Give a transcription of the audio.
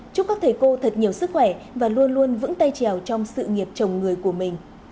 chúc các thầy cô thật nhiều sức khỏe và luôn luôn vững tay trèo trong sự nghiệp chồng người của mình